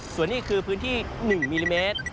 ส่วนนี้คือพื้นที่๑มิลลิเมตร